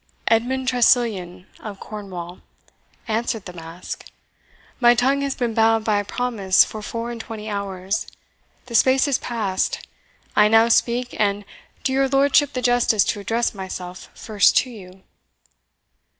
"Edmund Tressilian of Cornwall," answered the mask. "My tongue has been bound by a promise for four and twenty hours. The space is passed, I now speak, and do your lordship the justice to address myself first to you."